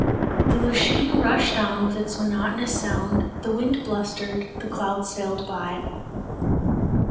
The Lütschine rushed on with its monotonous sound, the wind blustered, the clouds sailed by.